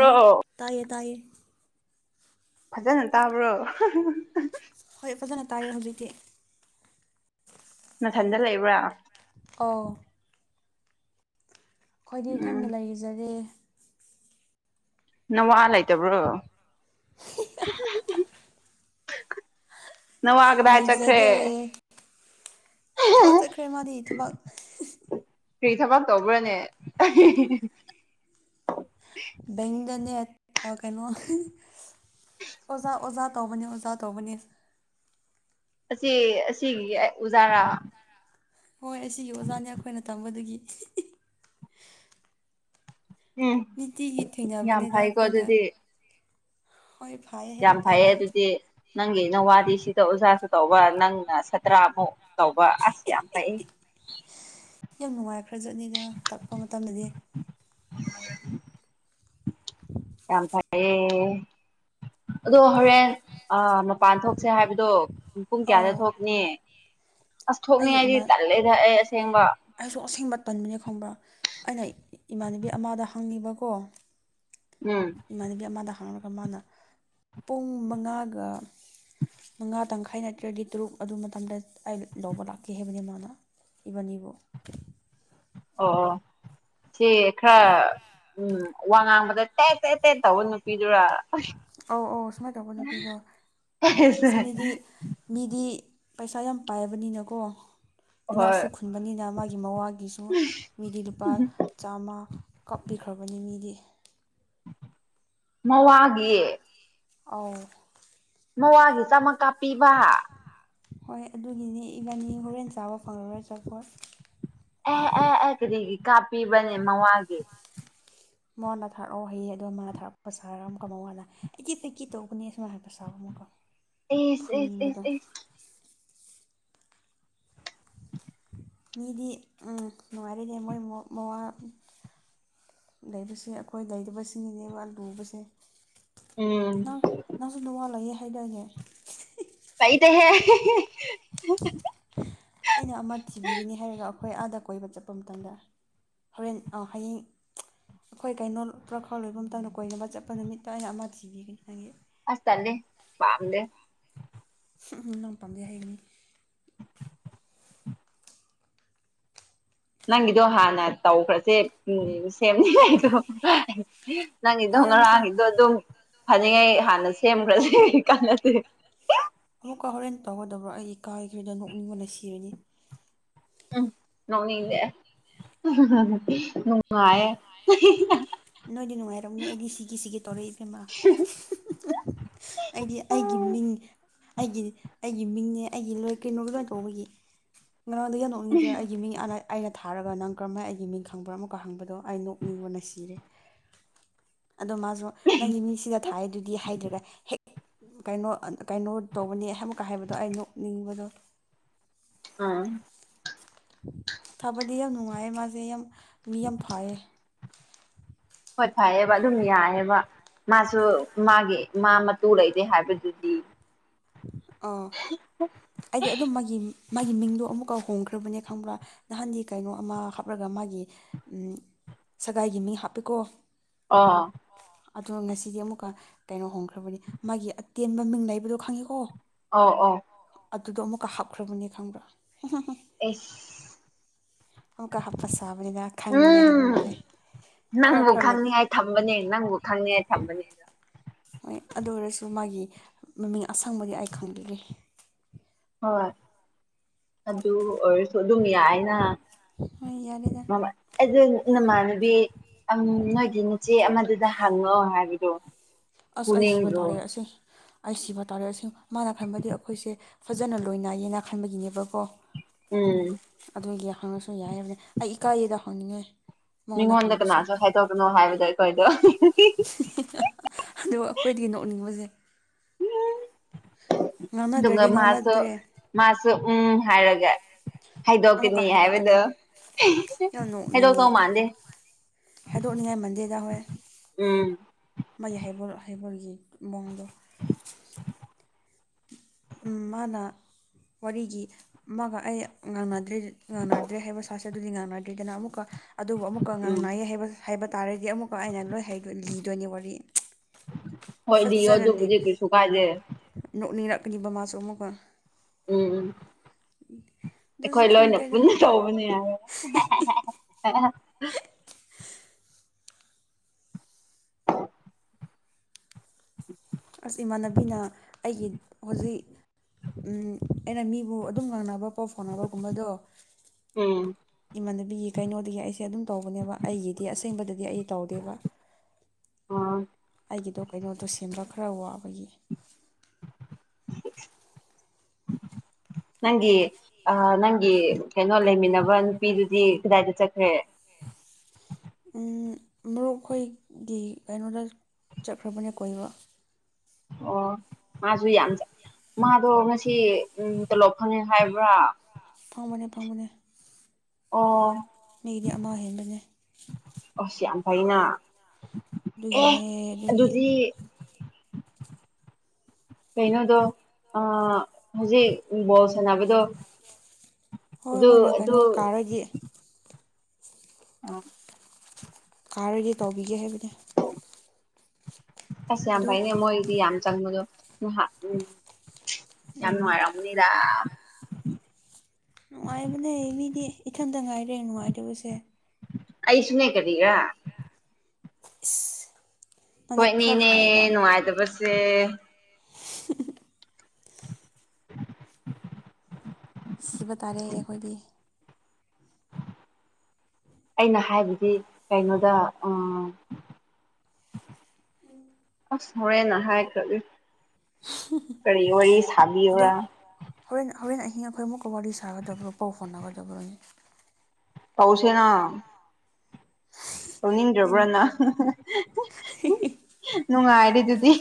ꯑꯣ ꯇꯥꯏꯌꯦ ꯇꯥꯏꯌꯦ ꯐꯖꯅ ꯇꯥꯕ꯭ꯔꯣ ꯍꯣꯏ ꯐꯖꯅ ꯇꯥꯔꯦ ꯍꯧꯖꯤꯛꯇꯤ ꯅꯊꯟꯗ ꯂꯩꯕ꯭ꯔꯥ ꯑꯣ ꯑꯩꯈꯣꯏꯗꯤ ꯎꯝ ꯏꯊꯟꯗ ꯂꯩꯖꯔꯦ ꯅꯋꯥ ꯂꯩꯇꯕ꯭ꯔꯣ ꯅꯋꯥ ꯀꯗꯥꯏ ꯆꯠꯈ꯭ꯔꯦ ꯂꯩꯖꯗꯦ ꯊꯕꯛ ꯆꯠꯈ꯭ꯔꯦ ꯃꯥꯗꯤ ꯊꯕꯛ ꯀꯔꯤ ꯊꯕꯛ ꯇꯧꯕ꯭ꯔꯥꯅꯦ ꯕꯦꯡꯗꯅꯦ ꯑꯥ ꯀꯩꯅꯣ ꯑꯣꯖꯥ ꯑꯣꯖꯥ ꯇꯧꯕꯅꯤ ꯑꯣꯖꯥ ꯇꯧꯕꯅꯤ ꯑꯁꯤ ꯑꯁꯤꯒꯤ ꯎꯖꯥꯔꯥ ꯍꯣꯏ ꯑꯁꯤꯒꯤ ꯑꯣꯖꯥꯅꯤ ꯑꯩꯈꯣꯏꯅ ꯇꯝꯕꯗꯨꯒꯤ ꯎꯝ ꯅꯤꯇꯤꯒꯤ ꯌꯥꯝ ꯊꯦꯡꯅꯕꯅꯤꯗ ꯐꯩꯀꯣ ꯑꯩꯈꯣꯏꯅ ꯑꯗꯨꯗꯤ ꯍꯣꯏ ꯐꯩ ꯌꯥꯝ ꯍꯥꯏꯕ ꯐꯩꯌꯦ ꯇꯥꯔꯦ ꯑꯗꯨꯗꯤ ꯅꯪꯒꯤ ꯅꯋꯥꯗꯤ ꯁꯤꯗ ꯑꯣꯖꯥꯁꯨ ꯇꯧꯕ ꯅꯪꯅ ꯁꯥꯠꯇ꯭ꯔꯥꯃꯨꯛ ꯇꯧꯕ ꯑꯁ ꯌꯥꯝ ꯐꯩ ꯌꯥꯝ ꯅꯨꯡꯉꯥꯏ ꯈ꯭ꯔꯖꯠꯅꯤꯗ ꯇꯥꯛꯄ ꯃꯇꯝꯗꯗꯤ [inaudible] ꯌꯥꯝ ꯐꯌꯦ ꯑꯗꯣ ꯍꯣꯔꯦꯟ ꯑ ꯃꯄꯥꯟ ꯊꯣꯛꯁꯦ ꯍꯥꯏꯕꯗꯣ ꯄꯨꯡ ꯀꯌꯥꯗ ꯑꯧ ꯊꯣꯛꯅꯤ ꯑꯁ ꯊꯣꯛꯅꯤ ꯑꯩꯒꯤ ꯍꯥꯏꯗꯤ ꯏꯃꯥ ꯇꯜꯂꯦꯗ ꯑꯩ ꯑꯁꯦꯡꯕ ꯑꯩꯁꯨ ꯑꯁꯦꯡꯕ ꯇꯟꯕꯅꯦ ꯈꯪꯕ꯭ꯔꯥ ꯑꯩꯅ ꯏꯃꯥꯟꯅꯕꯤ ꯑꯃꯗ ꯍꯪꯉꯤꯕꯀꯣ ꯎꯝ ꯏꯃꯥꯟꯅꯕꯤ ꯑꯃꯗ ꯍꯥꯡꯂꯒ ꯃꯥꯅ ꯄꯨꯡ ꯃꯉꯥꯒ ꯃꯉꯥ ꯇꯪꯈꯥꯏ ꯅꯠꯇ꯭ꯔꯗꯤ ꯇꯔꯨꯛ ꯑꯗꯨ ꯃꯇꯝꯗ ꯑꯩ ꯂꯧꯕ ꯂꯥꯛꯀꯦ ꯍꯥꯏꯕꯅꯤ ꯃꯥꯅ ꯏꯕꯥꯅꯤꯕꯨ ꯑꯣ ꯑꯣ ꯁꯤ ꯈꯔ ꯁꯨꯃꯥꯏ ꯎꯝ ꯋꯥ ꯉꯥꯡꯕꯗ ꯇꯦ ꯇꯦ ꯇꯦꯠ ꯇꯧꯕ ꯅꯨꯄꯤꯗꯨꯔꯥ ꯑꯧ ꯑꯧ ꯁꯨꯃꯥꯏꯅ ꯇꯧꯕ ꯅꯨꯄꯤꯗꯣ ꯑꯁꯤꯅꯗꯤ ꯃꯤꯗꯤ ꯄꯩꯁꯥ ꯌꯥꯝ ꯄꯥꯏꯕꯅꯤꯅꯀꯣ ꯍꯣꯏ ꯏꯅꯥꯛꯁꯨ ꯈꯨꯟꯕꯅꯤꯅ ꯃꯥꯒꯤ ꯃꯋꯥꯒꯤꯁꯨ [unintelligible] ꯃꯤꯗꯤ ꯂꯨꯄꯥ ꯆꯥꯝꯃ ꯀꯥꯞꯄꯤꯈ꯭ꯔꯕꯅꯤ ꯃꯤꯗꯤ ꯃꯋꯥꯒꯤ ꯑꯥꯎ ꯃꯋꯥꯒꯤ ꯆꯥꯝꯃ ꯀꯥꯞꯄꯤꯕ ꯍꯣꯏ ꯑꯗꯨꯒꯤꯅꯤ ꯏꯕꯥꯅꯤ ꯍꯣꯔꯦꯟ ꯆꯥꯕ ꯐꯪꯉꯔꯣꯏ ꯆꯥꯄꯣꯠ ꯑꯦ ꯑꯦ ꯑꯦ ꯀꯔꯤꯒꯤ ꯀꯥꯞꯄꯤꯕꯅꯦ ꯃꯋꯥꯒꯤ ꯃꯉꯣꯟꯗ ꯊꯥꯔꯛꯑꯣ ꯍꯌꯦꯡ ꯑꯗꯣ ꯃꯥ ꯊꯥꯔꯛꯄ ꯁꯥꯔꯒ ꯑꯃꯨꯛꯀ ꯃꯋꯥꯗ ꯑꯩꯒꯤ ꯇꯤꯀꯤ ꯇꯧꯕꯅꯦ ꯁꯨꯃꯥꯏꯟ ꯍꯥꯏꯕ ꯁꯥꯕ ꯑꯃꯨꯛꯀ ꯏꯁ ꯏꯁ ꯏꯁ ꯐꯨꯅꯤꯡꯕꯗꯣ ꯏꯁ ꯃꯤꯗꯤ ꯎꯝ ꯅꯨꯡꯉꯥꯏꯔꯦꯅꯦ ꯃꯣꯏ ꯃꯣ ꯃꯋꯥ ꯂꯩꯕꯁꯦ ꯑꯩꯈꯣꯏ ꯂꯩꯔꯤꯕꯁꯤꯡꯒꯤꯅꯦ ꯃꯥ ꯂꯨꯕꯁꯦ ꯎꯝ ꯅꯪ ꯅꯪꯁꯨ ꯅꯋꯥ ꯂꯩꯌꯦ ꯍꯥꯏꯗꯥꯏꯅꯦ ꯂ ꯩꯇꯦꯍꯦ ꯑꯩꯅ ꯑꯃ ꯊꯤꯕꯤꯒꯅꯤ ꯍꯥꯏꯔꯒ ꯑꯩꯈꯣꯏ ꯑꯥꯗ ꯀꯣꯏꯕ ꯆꯠꯄ ꯃꯇꯝꯗ ꯍꯣꯔꯦꯟ ꯑ ꯍꯌꯦꯡ ꯑꯩꯈꯣꯏ ꯀꯩꯅꯣ ꯄꯨꯔꯥ ꯈꯔ ꯂꯣꯏꯕ ꯃꯇꯝꯗ ꯀꯣꯏꯅꯕ ꯆꯠꯄ ꯅꯨꯃꯤꯠꯇ ꯑꯩꯅ ꯑꯃ ꯊꯤꯕꯤꯒꯅꯤ ꯅꯪꯒꯤ ꯑꯁ ꯇꯜꯂꯦ ꯄꯥꯝꯗꯦ ꯍꯨꯝ ꯍꯨꯝ ꯅꯪ ꯄꯥꯝꯗꯦ ꯍꯩꯒꯅꯤ ꯅꯪꯒꯤꯗꯣ ꯍꯥꯟꯅ ꯇꯧꯈ꯭ꯔꯁꯦ ꯎꯝ ꯁꯦꯝꯅꯤꯉꯥꯏꯗꯣ ꯅꯪꯒꯤꯗꯣ ꯍꯣꯔꯦꯟ ꯑꯃꯨꯛꯀ ꯉꯔꯥꯡꯒꯤꯗꯣ ꯑꯗꯨꯝ ꯐꯅꯤꯉꯩ ꯍꯥꯟꯅ ꯁꯦꯝꯈ꯭ꯔꯁꯦ ꯀꯥꯟꯅꯗꯦ ꯑꯃꯨꯛꯀ ꯍꯣꯔꯦꯟ ꯇꯧꯒꯗꯕ꯭ꯔꯣ ꯑꯩ ꯏꯀꯥꯈ꯭ꯔꯦꯗ ꯅꯣꯛꯅꯤꯡꯕꯅ ꯁꯤꯔꯅꯤ ꯎꯝ ꯅꯣꯛꯅꯤꯡꯗꯦ ꯅꯨꯡꯉꯥꯏꯌꯦ ꯅꯣꯏꯗꯤ ꯅꯨꯡꯉꯥꯏꯔꯝꯅꯤ ꯑꯩꯗꯤ ꯁꯤꯒꯦ ꯁꯤꯒꯦ ꯇꯧꯔꯦ ꯏꯕꯦꯝꯃ [unintelligible] ꯑꯩꯗꯤ ꯑꯩꯒꯤ ꯃꯤꯡ ꯑꯩꯒꯤ ꯑꯩꯒꯤ ꯃꯤꯡꯅꯦ ꯑꯩꯒꯤ ꯂꯣꯏ ꯀꯩꯅꯣꯒ ꯀꯩꯅꯣ ꯇꯧꯕꯒꯤ ꯉꯔꯥꯡꯗꯒꯤ ꯍꯅꯣ ꯅꯣꯛꯅꯤꯡꯗ꯭ꯔꯥ ꯑꯩꯒꯤ ꯃꯤꯡ ꯑ ꯑꯩꯅ ꯊꯥꯔꯒ ꯅꯪ ꯀ꯭ꯔꯝꯃꯥꯏ ꯑꯩꯒꯤ ꯃꯤꯡ ꯈꯪꯕ꯭ꯔꯥ ꯑꯃꯨꯀ ꯍꯪꯕꯗꯣ ꯑꯩ ꯅꯣꯛꯅꯤꯡꯕꯅ ꯁꯤꯔꯦ ꯑꯗꯣ ꯃꯥꯁꯨ ꯅꯪꯒꯤ ꯃꯤꯡꯁꯤꯗ ꯊꯥꯏꯗꯨꯗꯤ ꯍꯥꯏꯗ꯭ꯔꯒ ꯍꯦꯛ ꯀꯩꯅꯣ ꯀꯩꯅꯣ ꯇꯧꯕꯅꯤ ꯑꯃꯨꯛꯀ ꯍꯥꯏꯕꯗꯣ ꯑꯩ ꯅꯣꯛꯅꯤꯡꯕꯗꯣ ꯑꯥ ꯐꯥꯕꯗꯤ ꯌꯥꯝ ꯅꯨꯡꯉꯥꯏꯌꯦ ꯃꯥꯁꯦ ꯌꯥꯝ ꯃꯤ ꯌꯥꯝ ꯐꯥꯏꯌꯦ ꯍꯣꯏ ꯐꯩꯌꯦꯕ ꯑꯗꯨꯝ ꯌꯥꯑꯦꯕ ꯃꯥꯁꯨ ꯃꯥꯒꯤ ꯃꯥ ꯃꯇꯨ ꯂꯩꯇꯦ ꯍꯥꯏꯕꯗꯨꯗꯤ ꯑꯣ ꯑꯩꯗꯤ ꯑꯗꯨꯝꯕꯒꯤ ꯃꯥꯒꯤ ꯃꯤꯡꯗꯣ ꯑꯃꯨꯛꯀꯥ ꯍꯣꯡꯈ꯭ꯔꯕꯅꯦ ꯈꯪꯕ꯭ꯔꯥ ꯅꯍꯥꯟꯗꯤ ꯀꯩꯅꯣ ꯑꯃ ꯍꯥꯞꯔꯒ ꯃꯥꯒꯤ ꯎꯝ ꯁꯒꯥꯏꯒꯤ ꯃꯤ ꯍꯥꯞꯄꯦꯀꯣ ꯑꯥ ꯑꯗꯨ ꯉꯁꯤꯗꯤ ꯑꯃꯨꯛꯀ ꯀꯩꯅꯣ ꯍꯣꯡꯈ꯭ꯔꯕꯅꯤ ꯃꯥꯒꯤ ꯑꯇꯦꯟꯕ ꯃꯤꯡ ꯂꯩꯕꯗꯣ ꯈꯪꯉꯤ ꯑꯣ ꯑꯥꯎ ꯑꯥꯎ ꯑꯗꯨꯗꯣ ꯑꯃꯨꯛꯀ ꯍꯥꯞꯈ꯭ꯔꯕꯅꯤ ꯈꯪꯕ꯭ꯔꯥ ꯑꯩꯁ ꯑꯃꯨꯛꯀ ꯍꯥꯞꯄ ꯁꯥꯕꯅꯤꯗ ꯎꯝ ꯅꯪꯕꯨ ꯈꯔ ꯅꯣꯠ ꯈꯪꯅꯤꯡꯉꯥꯏ ꯊꯝꯕꯅꯦ ꯅꯪꯕꯨ ꯈꯪꯅꯤꯡꯉꯥꯏ ꯊꯝꯕꯅꯦ ꯍꯣꯏ ꯑꯗꯨ ꯑꯣꯏꯔꯁꯨ ꯃꯥꯒꯤ ꯃꯃꯤꯡ ꯑꯁꯪꯕꯗꯤ ꯑꯩ ꯈꯪꯪꯕꯤꯗꯦ ꯍꯣꯏ ꯑꯗꯨ ꯑꯣꯏꯔꯁꯨ ꯑꯗꯨꯝ ꯌꯥꯏꯅꯥ ꯍꯣꯏ ꯌꯥꯔꯦꯗ [unintelligible] ꯑꯗꯨ ꯅꯃꯥꯟꯅꯕꯤ ꯅꯣꯏꯒꯤ ꯅꯆꯦ ꯑꯃꯗꯨꯗ ꯍꯪꯉꯣ ꯍꯥꯏꯕꯗꯣ ꯑꯁ ꯑꯩ ꯁꯤꯕ ꯄꯨꯅꯤꯡꯗ꯭ꯔꯣ ꯇꯥꯔꯦ ꯑꯁꯤ ꯑꯩ ꯁꯤꯕ ꯇꯥꯔꯦ ꯑꯁꯤ ꯃꯥꯅ ꯈꯟꯕꯗꯤ ꯑꯩꯈꯣꯏꯁꯦ ꯐꯖꯅ ꯂꯣꯏꯅꯩꯌꯦꯅꯥ ꯈꯟꯕꯒꯤꯅꯦꯕꯀꯣ ꯎꯝ ꯑꯗꯨꯒꯤ ꯍꯪꯉꯁꯨ ꯌꯥꯏ ꯍꯥꯏꯕꯅꯤ ꯑꯩ ꯏꯀꯥꯏꯌꯦꯗ ꯍꯪꯅꯤꯡꯉꯥꯏ ꯃꯤꯉꯣꯟꯗ ꯀꯅꯥꯁꯨ ꯍꯥꯏꯗꯣꯛꯀꯅꯣ ꯍꯥꯏꯕꯗꯣ ꯑꯩꯈꯣꯏꯗꯣ [unintelligible] ꯑꯗꯨ ꯑꯩꯈꯣꯏꯗꯤ ꯅꯣꯛꯅꯤꯡꯕꯁꯦ ꯑꯗꯨꯒ ꯉꯥꯡꯅꯗ꯭ꯔꯗꯤ ꯃꯥꯁꯨ ꯉꯥꯡꯅꯗ꯭ꯔꯦ ꯃꯥꯁꯨ ꯎꯝ ꯍꯥꯏꯔꯒ ꯑꯃꯨꯛꯀ ꯍꯥꯏꯗꯣꯛꯀꯅꯤ ꯍꯥꯏꯗꯣꯛꯀꯅꯤ ꯍꯥꯏꯕꯗꯣ [unintelligible] ꯌꯥꯝ ꯅꯣꯛꯅꯤꯡꯉꯦ ꯍꯥꯏꯗꯣꯛꯇꯧ ꯃꯥꯟꯗꯦ ꯍꯥꯏꯗꯣꯛꯅꯤꯡꯉꯥꯏ ꯃꯟꯗꯦꯗ ꯍꯣꯏ ꯎꯝ ꯃꯥꯒꯤ ꯍꯩꯕ ꯍꯩꯕꯔꯒꯤ ꯃꯑꯣꯡꯗꯣ ꯎꯝ ꯃꯥꯅ ꯋꯥꯔꯤꯒꯤ ꯃꯥꯒ ꯑꯩ ꯉꯥꯡꯅꯗ꯭ꯔꯦ ꯉꯥꯡꯅꯗ꯭ꯔꯦ ꯍꯥꯏꯕ ꯁꯥꯁꯦ ꯑꯗꯨꯗꯤ ꯉꯥꯡꯅꯗ꯭ꯔꯦꯗꯅ ꯑꯃꯨꯛꯀ ꯑꯗꯨꯕꯨ ꯑꯃꯨꯛꯀ ꯎꯝ ꯉꯥꯡꯅꯥꯏꯌꯦ ꯍꯥꯏꯕ ꯇꯥꯔꯗꯤ ꯑꯃꯨꯛꯀ ꯑꯩꯅ ꯂꯣꯏ ꯍꯥꯏꯕ ꯂꯤꯗꯣꯏꯅꯤ ꯋꯥꯔꯤ ꯍꯣꯏ ꯂꯤꯌꯣ ꯑꯗꯨꯕꯨꯗꯤ ꯀꯩꯁꯨ ꯀꯥꯏꯗꯦ ꯅꯣꯛꯅꯤꯡꯔꯥꯛꯀꯅꯤꯕ ꯃꯥꯁꯨ ꯑꯝꯃꯨꯛꯀ ꯎꯝ ꯑꯗꯨꯁꯨ ꯑꯩꯈꯣꯏ ꯂꯣꯏꯅ ꯈꯪꯗꯦꯗ ꯄꯨꯟꯅ ꯇꯧꯕꯅꯦ ꯍꯥꯏꯔꯣ [unintelligible] [unintelligible] ꯑꯁ ꯏꯃꯥꯟꯅꯕꯤꯅ ꯑꯩꯒꯤ ꯍꯧꯖꯤꯛ ꯎꯝ ꯑꯩꯅ ꯃꯤꯕꯨ ꯑꯗꯨꯝ ꯉꯥꯡꯅꯕ ꯄꯥꯎ ꯐꯥꯎꯅꯕꯒꯨꯝꯕꯗꯣ ꯎꯝ ꯏꯃꯥꯟꯅꯕꯤꯒꯤ ꯀꯩꯅꯣꯗꯒꯤ ꯑꯩꯁꯦ ꯑꯗꯨꯝ ꯇꯧꯕꯅꯦꯕ ꯑꯩꯒꯤꯗꯤ ꯑꯁꯦꯡꯕꯗꯗꯤ ꯑꯩ ꯇꯧꯗꯦꯕ ꯑꯣ ꯑꯩꯒꯤꯗꯣ ꯀꯩꯅꯣꯗꯣ ꯁꯦꯝꯕ ꯈꯔ ꯋꯥꯕꯒꯤ [unintelligible] ꯅꯪꯒꯤ ꯑ ꯅꯪꯒꯤ ꯀꯩꯅꯣ ꯂꯩꯃꯤꯟꯅꯕ ꯅꯨꯄꯤꯗꯨꯗꯤ ꯀꯗꯥꯏꯗ ꯆꯠꯈ꯭ꯔꯦ ꯃꯔꯨꯞ ꯈꯣꯏꯒꯤ ꯀꯩꯅꯣꯗ ꯆꯠꯈ꯭ꯔꯕꯅꯦ ꯀꯣꯏꯕ ꯑꯣ ꯃꯥꯁꯨ ꯌꯥꯝ ꯆ ꯃꯥꯗꯣ ꯉꯁꯤ ꯇꯂꯣꯞ ꯐꯪꯉꯦ ꯍꯥꯏꯕ꯭ꯔꯥ ꯐꯪꯕꯅꯦ ꯐꯪꯕꯅꯦ ꯑꯣ ꯃꯤꯒꯤꯗꯤ ꯑꯃ ꯍꯦꯟꯕꯅꯦ ꯑꯁ ꯌꯥꯝ ꯐꯩꯅ ꯑꯦ ꯑꯗꯨꯒꯤꯅꯦ ꯑꯗꯨꯒꯤ ꯑꯗꯨꯗꯤ ꯀꯩꯅꯣꯗꯣ ꯑ ꯍꯧꯖꯤꯛ ꯕꯣꯜ ꯁꯥꯟꯅꯕꯗꯣ ꯍꯣꯏ ꯑꯗꯨ ꯃꯣꯏꯅ ꯑꯗꯨ ꯀꯩꯅꯣ ꯀꯥꯔꯗꯤ ꯑꯥ ꯀꯥꯔꯗꯤ ꯇꯧꯕꯤꯒꯦ ꯍꯥꯏꯕꯅꯦ ꯑꯁ ꯌꯥꯝ ꯑꯗꯣ ꯐꯩꯅꯦ ꯃꯣꯏꯗꯤ ꯌꯥꯝ ꯆꯪꯕꯗꯣ [unintelligible] ꯎꯝ ꯌꯥꯝ ꯎꯝ ꯅꯨꯡꯉꯥꯏꯔꯝ ꯅꯤꯗꯥꯝ ꯅꯨꯡꯉꯥꯏꯕꯅꯦ ꯃꯤꯗꯤ ꯏꯊꯟꯇ ꯉꯥꯏꯔꯦ ꯅꯨꯡꯉꯥꯏꯇꯕꯁꯦ ꯑꯩꯁꯨꯅꯦ ꯀꯔꯤꯔꯥ ꯏꯁ ꯅꯪꯗꯤ ꯈꯔ ꯈꯣꯏꯑꯅꯤꯅꯦ ꯐꯔꯦꯗ ꯅꯨꯡꯉꯥꯏꯇꯕꯁꯦ [inaudible] ꯁꯤꯕ ꯇꯥꯔꯦ ꯑꯩꯈꯣꯏꯗꯤ ꯑꯩꯅ ꯍꯥꯏꯕꯗꯤ ꯀꯩꯅꯣꯗ ꯑꯥ ꯑꯁ ꯍꯣꯔꯦꯟꯅ ꯍꯥꯏꯈ꯭ꯔꯒꯦ ꯀꯔꯤ ꯋꯥꯔꯤ ꯑꯗꯣ ꯁꯥꯕꯤꯌꯨꯔꯥ ꯍꯣꯔꯦꯟ ꯍꯣꯔꯦꯟ ꯑꯍꯤꯡ ꯑꯩꯈꯣꯏ ꯑꯃꯨꯛꯀ ꯋꯥꯔꯤ ꯁꯥꯒꯗꯕ꯭ꯔꯣ ꯄꯥꯎ ꯐꯥꯎꯅꯒꯗꯕ꯭ꯔꯣꯅꯦ ꯇꯧꯁꯦꯅꯥ ꯇꯧꯅꯤꯡꯗ꯭ꯔꯕ꯭ꯔ ꯑꯩꯅ ꯅꯪ ꯅꯨꯡꯉꯥꯏꯔꯤꯗꯨꯗꯤ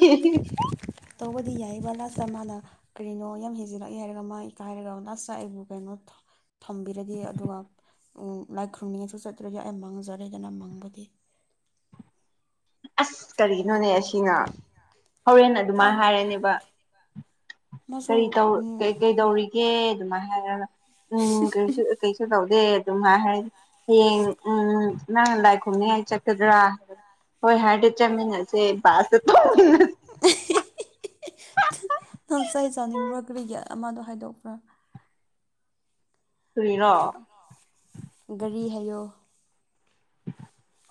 ꯇꯧꯕꯗꯤ ꯌꯥꯏꯕ ꯂꯥꯁꯇ ꯃꯥꯅ ꯀꯔꯤꯅꯣ ꯌꯥꯝ ꯍꯦꯟꯖꯤꯜꯂꯛꯑꯦ ꯍꯥꯏꯔꯒ ꯃꯥ ꯏꯀꯥꯏꯔꯒ ꯂꯥꯁꯇ ꯑꯩꯕꯨ ꯀꯩꯅꯣ ꯊꯝꯕꯤꯔꯗꯤ ꯑꯗꯨꯒ ꯎꯝ ꯂꯥꯏ ꯈꯨꯔꯨꯝꯅꯤꯡꯉꯁꯨ ꯆꯠꯇ꯭ꯔꯗꯤ ꯑꯩ ꯃꯥꯡꯖꯔꯦꯗꯅ ꯃꯪꯕꯗꯤ ꯑꯁ ꯀꯔꯤꯅꯣꯅꯦ ꯑꯁꯤꯅ ꯍꯣꯔꯦꯟ ꯃꯥ ꯑꯗꯨꯃꯥꯏꯟ ꯍꯥꯏꯔꯅꯤꯕ ꯃꯥꯁꯨ ꯀꯔꯤ ꯇꯧ ꯀꯩ ꯀꯩꯗꯧꯔꯤꯒꯦ ꯑꯗꯨꯃꯥꯏ ꯍꯥꯏꯔꯒ ꯎꯝ ꯀꯩꯁꯨ ꯀꯩꯁꯨ ꯇꯧꯗꯦ ꯑꯗꯨꯝ ꯍꯥꯏ ꯍꯥꯏꯔꯗꯤ ꯍꯌꯦꯡ ꯎꯝ ꯅꯪꯅ ꯂꯥꯏ ꯈꯨꯔꯨꯝꯅꯤꯉꯥꯏ ꯆꯠꯀꯗ꯭ꯔꯥ ꯍꯣꯏ ꯍꯥꯏꯔꯗꯤ ꯆꯃꯤꯟꯅꯁꯦ [unintelligible] [unintelligible] ꯅꯪ ꯆꯩ ꯆꯥꯅꯤꯡꯕ꯭ꯔꯣ ꯀꯔꯤꯒꯤ ꯑꯃꯗꯣ ꯍꯥꯏꯗꯣꯛꯄ꯭ꯔꯥ ꯀꯔꯤꯔꯣ ꯒꯥꯔꯤ ꯍꯥꯏꯌꯣ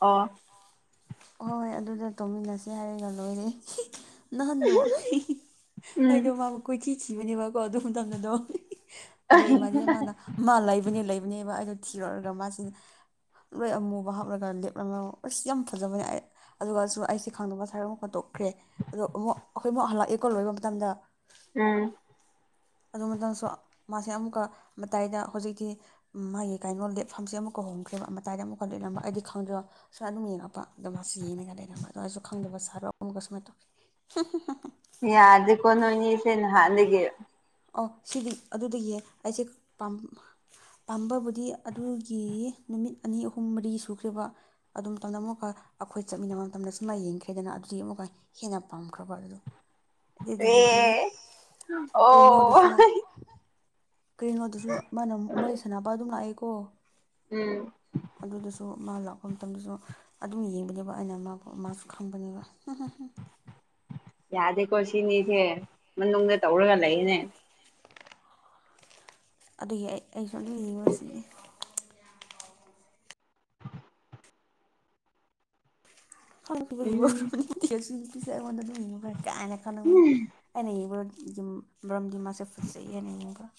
ꯑꯣ ꯍꯣꯏ ꯑꯗꯨꯗ ꯇꯧꯃꯤꯟꯅꯁꯤ ꯍꯥꯏꯔꯒ ꯂꯣꯏꯔꯦ ꯅꯍꯥꯟꯗꯣ ꯎꯝ ꯑꯩꯗꯣ ꯃꯥꯕꯨ ꯀꯣꯏꯊꯤ ꯊꯤꯕꯅꯦꯕꯀꯣ ꯑꯗꯨ ꯃꯇꯝꯗꯗꯣ ꯑꯗꯣ ꯏꯃꯥꯟꯕꯤ ꯑꯃꯅ ꯃꯥ ꯂꯩꯕꯅꯦ ꯂꯩꯕꯅꯦꯕ ꯑꯩꯗꯣ ꯊꯤꯌꯣꯔꯛꯑꯒ ꯃꯥꯁꯤꯅ ꯂꯣꯏ ꯑꯃꯨꯕ ꯍꯥꯞꯂꯒ ꯂꯦꯞꯂꯝꯃꯥ ꯑꯁ ꯌꯥꯝ ꯐꯖꯕꯅꯤ ꯑꯩ ꯑꯗꯨꯒꯁꯨ ꯑꯩꯁꯦ ꯈꯪꯗꯕ [unintelligible] ꯇꯣꯛꯈ꯭ꯔꯦ ꯑꯗꯣ ꯑꯃꯨꯛ ꯑꯩꯈꯣꯏ ꯑꯃꯨꯛ ꯍꯜꯂꯛꯑꯦꯀꯣ ꯂꯣꯏꯕ ꯃꯇꯝꯗ ꯎꯝ ꯑꯗꯨ ꯃꯇꯥꯡꯁꯨ ꯃꯥꯁꯦ ꯑꯃꯨꯛꯀ ꯃꯇꯥꯏꯗ ꯍꯧꯖꯤꯛꯇꯤ ꯃꯥꯒꯤ ꯀꯩꯅꯣ ꯂꯦꯞꯐꯝꯁꯦ ꯑꯃꯨꯛ ꯀ ꯍꯣꯡꯈ꯭ꯔꯦꯕ ꯃꯇꯥꯏꯗ ꯑꯃꯨꯛꯀ ꯂꯦꯞꯂꯝꯕ ꯑꯩꯗꯤ ꯈꯪꯗ꯭ꯔꯕ ꯁꯨꯋꯥꯏ ꯑꯗꯨꯝ ꯌꯦꯡꯉꯛꯄ ꯑꯗꯣ ꯃꯥꯁꯤ ꯌꯦꯡꯉꯒ ꯂꯩꯔꯝꯕꯗꯣ ꯑꯩꯖꯨ ꯈꯪꯗꯕ ꯁꯥꯔ ꯑꯃꯨꯒ ꯁꯨꯃꯥꯏꯅ ꯇꯧ [unintelligible] ꯌꯥꯗꯦ ꯀꯣ ꯅꯣꯏꯅꯤꯁꯦ ꯅꯍꯥꯟꯗꯒꯤ ꯑꯣ ꯁꯤꯗꯤ ꯑꯗꯨꯗꯒꯤꯌꯦ ꯑꯩꯁꯦ ꯄꯥꯝ ꯄꯥꯝꯕꯕꯨꯗꯤ ꯑꯗꯨꯒꯤ ꯅꯨꯃꯤꯠ ꯑꯅꯤ ꯑꯍꯨꯝ ꯃꯔꯤ ꯁꯨꯈ꯭ꯔꯦꯕ ꯑꯗꯨ ꯃꯇꯝꯗ ꯑꯃꯨꯛꯀ ꯑꯩꯈꯣꯏ ꯆꯠꯃꯤꯟꯅꯕ ꯃꯇꯝꯗ ꯁꯨꯃꯥꯏ ꯌꯦꯡꯈ꯭ꯔꯦꯗꯅ ꯑꯗꯨꯗꯨꯗꯤ ꯑꯃꯨꯛꯀ ꯍꯦꯟꯅ ꯄꯥꯝꯈ꯭ꯔꯕ ꯑꯗꯣ ꯑꯦ ꯑꯗꯨꯗꯒꯤꯗꯤ ꯑꯣ ꯀꯩꯅꯣꯗꯁꯨ ꯀꯩꯅꯣꯗꯁꯨ ꯃꯥꯅ ꯃꯩ ꯁꯥꯟꯅꯕ ꯑꯗꯨꯝ ꯂꯥꯛꯑꯦꯀꯣ ꯎꯝ ꯑꯗꯨꯗꯁꯨ ꯃꯥ ꯂꯥꯛꯄ ꯃꯇꯝꯗꯁꯨ ꯑꯗꯨꯝ ꯌꯦꯡꯕꯅꯦꯕ ꯑꯩꯅ ꯃꯥꯕꯨ ꯃꯥꯁꯨ ꯈꯪꯕꯅꯦꯕ ꯌꯥꯗꯦꯀꯣ ꯁꯤꯅꯤꯁꯦ ꯃꯅꯨꯡꯗ ꯇꯧꯔꯒ ꯂꯩꯌꯦꯅꯦ ꯑꯗꯨꯒꯤ ꯑꯩ ꯑꯩꯁꯨ [unintelligible] [unintelligible] ꯎꯝ ꯑꯩꯉꫭꯟꯗꯗꯤ ꯈꯔ [unintelligible] ꯈꯜꯂꯝꯒꯅꯤ ꯑꯩꯅ ꯌꯦꯡꯕ꯭ꯔ ꯌꯨꯝ ꯃꯔꯝꯗꯤ ꯃꯥꯁꯦ ꯐꯖꯩ ꯍꯥꯏꯅ ꯌꯦꯡꯕ [inaudible]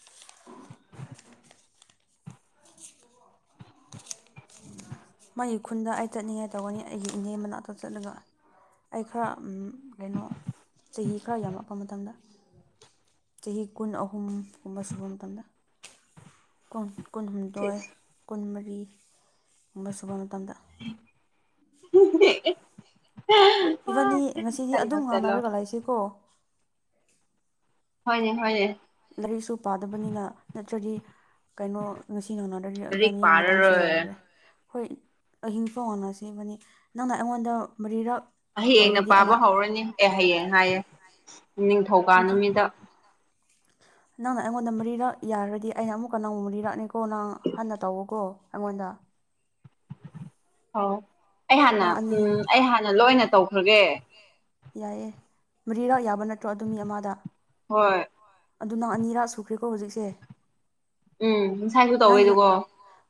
ꯃꯥꯒꯤ ꯈꯨꯟꯗ ꯑꯩ ꯆꯠꯅꯤꯡꯉꯥꯏ ꯇꯧꯒꯅꯤ ꯑꯩꯒꯤ ꯏꯅꯦ ꯃꯅꯥꯛꯇ ꯆꯠꯂꯒ ꯑꯩ ꯈꯔ ꯎꯝ ꯀꯩꯅꯣ ꯆꯍꯤ ꯈꯔ ꯌꯥꯝꯂꯛꯄ ꯃꯇꯝꯗ ꯆꯍꯤ ꯀꯨꯟ ꯑꯍꯨꯝꯒꯨꯝꯕ ꯁꯨꯕ ꯃꯇꯝꯗ ꯀꯨꯟꯍꯨꯝꯗꯣꯏ ꯀꯨꯟꯃꯔꯤ ꯒꯨꯝꯕ ꯁꯨꯕ ꯃꯇꯝꯗ [unintelligible] ꯏꯕꯥꯅꯤ ꯉꯁꯤꯗꯤ ꯆꯠꯂꯣ ꯑꯗꯨꯝ ꯆꯠꯂꯣ ꯉꯥꯡꯅꯔꯒ ꯂꯩꯁꯤꯀꯣ ꯍꯣꯏꯅꯦ ꯍꯣꯏꯅꯦ ꯂꯥꯏꯔꯤꯛꯁꯨ ꯄꯥꯗꯕꯅꯤꯅ ꯅꯠꯇ꯭ꯔꯗꯤ ꯀꯩꯅꯣ ꯉꯁꯤ [unintelligible] [unintelligible] ꯂꯥꯏꯔꯤꯛ ꯏꯕꯥꯅꯤ ꯃꯇꯝꯁꯨ ꯄꯥꯔꯔꯣꯏ ꯂꯩꯔꯔꯣꯏ ꯍꯣꯏ ꯑꯍꯤꯡ ꯐꯥꯎ ꯉꯥꯡꯅꯁꯦ ꯏꯕꯥꯟꯅꯤ ꯅꯪꯅ ꯑꯩꯉꯣꯟꯗ ꯃꯔꯤꯔꯛ ꯍꯌꯦꯡꯅ ꯑꯣꯏꯔꯗꯤ ꯑꯩꯅ ꯄꯥꯕ ꯍꯧꯔꯅꯤ ꯑꯦ ꯍꯌꯦꯡ ꯍꯥꯏꯌꯦ ꯅꯤꯡꯊꯧꯀꯥ ꯅꯨꯃꯤꯠꯇ ꯅꯪꯅ ꯑꯩꯉꯣꯟꯗ ꯃꯔꯤꯔꯛ ꯌꯥꯔꯗꯤ ꯑꯩꯅ ꯑꯃꯨꯛꯀ ꯅꯪ ꯃꯔꯤꯔꯛꯅꯤꯀꯣ ꯅꯪ ꯍꯟꯅ ꯇꯧꯋꫭꯀꯣ ꯑꯩꯉꯣꯟꯗ ꯑꯧ ꯑꯩ ꯍꯥꯟꯅ ꯅꯪ ꯑꯅꯤ ꯎꯝ ꯑꯩ ꯍꯥꯟꯅ ꯂꯣꯏꯅ ꯇꯧꯈ꯭ꯔꯒꯦ ꯌꯥꯏꯌꯦ ꯃꯔꯤꯔꯛ ꯌꯥꯕ ꯅꯠꯇ꯭ꯔꯣ ꯑꯗꯨꯝ ꯃꯤ ꯑꯃꯗ ꯍꯣꯏ ꯑꯗꯨ ꯅꯪ ꯑꯅꯤꯔꯛ ꯁꯨꯈ꯭ꯔꯦꯀꯣ ꯍꯧꯖꯤꯛꯁꯦ ꯎꯝ ꯉꯁꯥꯏꯁꯨ ꯅꯪꯒꯤ ꯇꯧꯋꯦꯗꯀꯣ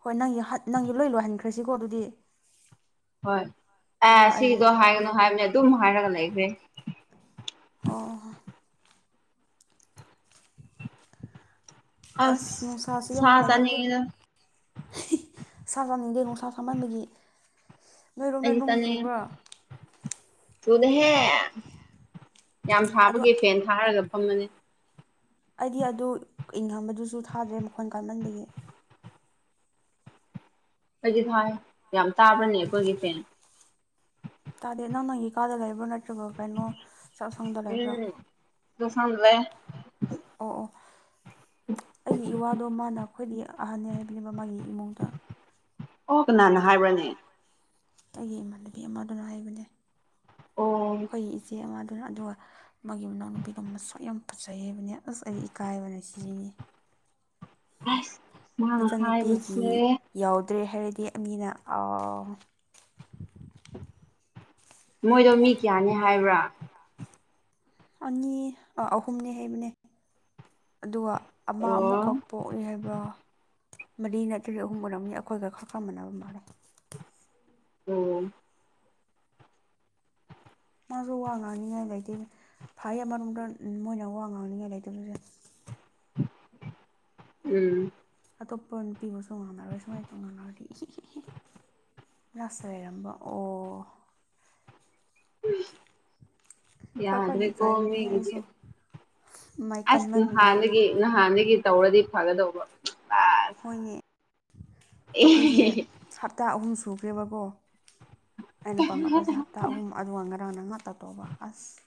ꯍꯣꯏ ꯅꯪꯒꯤ ꯍꯠ ꯅꯪꯒꯤ ꯂꯣꯏ ꯂꯣꯏꯍꯟꯈ꯭ꯔꯁꯤꯀꯣ ꯑꯗꯨꯗꯤ ꯍꯣꯏ ꯑꯦ ꯑꯗꯨꯒ ꯑꯩꯒꯤ ꯁꯤꯗꯣ ꯍꯥꯏꯒꯅꯨ ꯍꯥꯏꯞꯅꯦ ꯑꯗꯨꯝ ꯍꯥꯏꯔꯒ ꯂꯩꯈ꯭ꯔꯦ ꯑꯣ ꯑꯁ ꯅꯨꯡꯁꯥꯁꯦ ꯌꯥꯝ ꯁꯥ ꯀꯜꯂꯤ [unintelligible] ꯆꯥꯅꯤꯡꯉꯤꯗ [unintelligible] ꯅꯨꯡꯁꯥ ꯁꯥꯃꯟꯕꯒꯤ ꯅꯣꯏꯔꯣꯝꯗ ꯑꯩꯗꯤ ꯅꯣꯡ ꯇꯜꯂꯦ ꯆꯨꯕ꯭ꯔꯥ ꯊꯨꯗꯦꯍꯦ ꯌꯥꯝ ꯑꯗꯨ ꯁꯥꯕꯒꯤ ꯐꯦꯟ ꯊꯥꯔꯒ ꯐꯝꯕꯅꯦ ꯑꯩꯗꯤ ꯑꯗꯨ ꯏꯪꯍꯟꯕꯗꯨꯁꯨ ꯊꯥꯗ꯭ꯔꯦ ꯃꯈꯣꯟ ꯀꯟꯃꯟꯕꯒꯤ ꯑꯩꯗꯤ ꯊꯥꯏ ꯌꯥꯝ ꯇꯥꯕ꯭ꯔꯅꯦ ꯑꯩꯈꯣꯏꯒꯤ ꯐꯦꯟ ꯇꯥꯗꯦ ꯅꯪ ꯅꯪꯒꯤ ꯀꯥꯗ ꯂꯩꯕ꯭ꯔꯣ ꯅꯠꯇ꯭ꯔꯒ ꯀꯩꯅꯣ ꯆꯥꯛꯁꯪꯗ ꯂꯩꯕ꯭ꯔꯣ ꯎꯝ ꯆꯥꯛꯁꯪꯗ ꯂꯩꯌꯦ ꯑꯣ ꯑꯣ ꯑꯩꯒꯤ ꯏꯋꯥꯗꯣ ꯃꯥꯅ ꯈ꯭ꯥꯋꯏꯗꯒꯤ ꯑꯍꯟꯅꯦ ꯍꯥꯏꯕꯅꯦꯕ ꯃꯥꯒꯤ ꯏꯃꯨꯡꯗ ꯑꯣ ꯀꯅꯥꯅ ꯍꯥꯏꯕ꯭ꯔꯅꯦ ꯑꯩꯒꯤ ꯏꯃꯥꯟꯅꯕꯤ ꯑꯃꯗꯨꯅ ꯍꯥꯏꯕꯅꯦ ꯑꯣ ꯑꯈꯣꯏꯒꯤ ꯏꯆꯦ ꯑꯃꯗꯨꯅ ꯑꯗꯨꯒ ꯃꯥꯒꯤ ꯃꯅꯥꯎꯅꯨꯄꯤꯗꯣ ꯃꯁꯛ ꯌꯥꯝ ꯐꯖꯩ ꯍꯥꯏꯕꯅꯦ ꯑꯁ ꯑꯩꯗꯤ ꯏꯀꯥꯏꯕꯅ ꯁꯤꯅꯤ ꯑꯁ ꯃꯥꯅ ꯅꯆꯟꯅꯨꯄꯤꯒꯤ ꯍꯥꯏꯕꯁꯦ ꯌꯧꯗ꯭ꯔꯦ ꯍꯥꯏꯔꯗꯤ ꯃꯤꯅ ꯑꯥ ꯃꯣꯏꯗꯣ ꯃꯤ ꯀꯌꯥꯅꯦ ꯍꯥꯏꯕ꯭ꯔ ꯑꯅꯤ ꯑꯥ ꯑꯍꯨꯝꯅꯦ ꯍꯥꯏꯕꯅꯦ ꯑꯗꯨꯒ ꯑꯃ ꯑꯃꯨꯛꯀ ꯑꯣ ꯄꯣꯛꯑꯦ ꯍꯥꯏꯕ꯭ꯔ ꯃꯔꯤ ꯅꯠꯇ꯭ꯔꯗꯤ ꯑꯍꯨꯝ ꯑꯣꯏꯔꯝꯅꯤ ꯑꯩꯈꯣꯏꯒ ꯈꯔ ꯈꯔ ꯃꯥꯟꯅꯕ ꯃꯥꯜꯂꯦ ꯑꯣ ꯃꯥꯁꯨ ꯋꯥ ꯉꯥꯡꯅꯤꯡꯉꯥꯏ ꯂꯩꯇꯦꯅꯦ ꯐꯩꯌꯦ ꯑꯃꯔꯣꯝꯗ ꯑꯝ ꯃꯣꯏꯅ ꯋꯥ ꯉꯥꯡꯅꯤꯡꯉꯥꯏ ꯂꯩꯇꯕꯁꯦ ꯎꯝ ꯑꯇꯣꯞꯄ ꯅꯨꯄꯤꯕꯨꯁꯨ ꯉꯥꯡꯅꯔꯣꯏ ꯁꯨꯝꯃꯥꯏꯅ ꯇꯧꯅꯔꯗꯤ ꯑꯦ [unintelligible] ꯂꯁ ꯂꯩꯔꯝꯕ ꯑꯣ ꯈꯔ ꯈꯔꯗꯤ ꯌꯥꯗ꯭ꯔꯦꯀꯣ ꯏꯀꯥꯏꯕꯅꯦ ꯃꯤꯒꯤꯗꯤ ꯑꯩꯁꯨ ꯃꯥꯏ ꯑꯁ ꯀꯟꯃꯟꯕꯒꯤ ꯅꯍꯥꯟꯗꯒꯤ ꯅꯍꯥꯟꯗꯒꯤ ꯇꯧꯔꯗꯤ ꯐꯒꯗꯧꯕ ꯑꯁ ꯍꯣꯏꯅꯦ [inaudible] ꯑꯩꯈꯣꯏꯁꯦ ꯑꯦ ꯍꯞꯇꯥ ꯑꯍꯨꯝ ꯁꯨꯈ꯭ꯔꯦꯕꯀꯣ ꯑꯩꯅ ꯄꯥꯝꯔꯛꯄꯁꯦ ꯍꯥꯞꯇ ꯑꯍꯨꯝ ꯑꯗꯨꯒ ꯉꯔꯥꯡꯅ ꯉꯥꯛꯇꯥ ꯇꯧꯕ ꯑꯁ